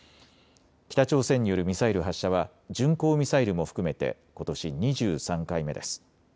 北朝鮮によるミサイル発射は巡航ミサイルも含めてことし２３回目です。